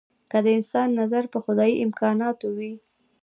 که د انسان نظر په خدايي امکاناتو وي.